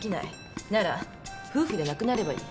なら夫婦でなくなればいい。